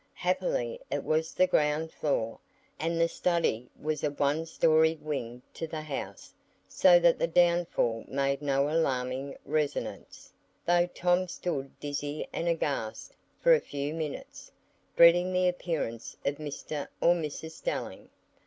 Happily it was the ground floor, and the study was a one storied wing to the house, so that the downfall made no alarming resonance, though Tom stood dizzy and aghast for a few minutes, dreading the appearance of Mr or Mrs Stelling.